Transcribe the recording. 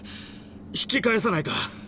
引き返さないか？